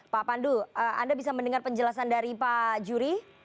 pak pandu anda bisa mendengar penjelasan dari pak juri